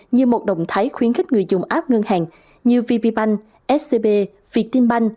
như một động thái khuyến khích người dùng app ngân hàng như vbbank scb vietinbank